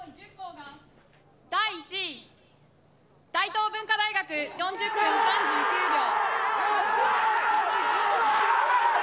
第１位、大東文化大学、４０分３９秒。